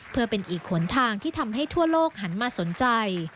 เพื่อเป็นอีกหนทางที่ทำให้ทั่วโลกหันมาสนใจ